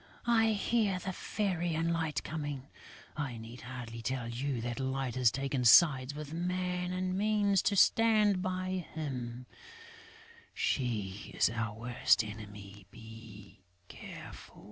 I hear the Fairy and Light coming. I need hardly tell you that Light has taken sides with Man and means to stand by him; she is our worst enemy.... Be careful!"